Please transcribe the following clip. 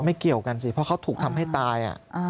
เกี่ยวกันสิเพราะเขาถูกทำให้ตาย